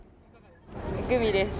グミです。